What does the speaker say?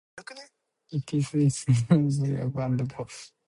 It is listed as "vulnerable" under both Commonwealth and Territory legislation.